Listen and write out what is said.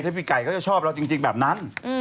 พี่ไก่เขาจะชอบเราจริงแบบนั้น